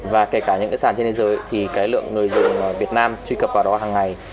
và kể cả những cái sản trên thế giới thì cái lượng người dùng việt nam truy cập vào đó hàng ngày